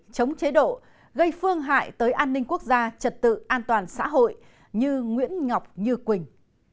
chống chế độ gây phương hại tới an ninh quốc gia trật tự an toàn xã hội như nguyễn ngọc như quỳnh